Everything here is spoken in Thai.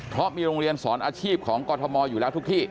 เพราะมีโรงเรียนสอนอาชีพของกรทมอยู่แล้วทุกที่